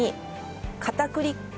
片栗粉。